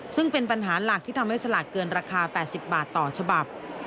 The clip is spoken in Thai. ซึ่งเป็นปัญหาหลักที่ทำให้สลากเกินราคา๘๐บาทต่อฉบับ